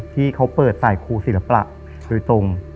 ที่เขาเปิดใส่ครูศิลปะโดยตรง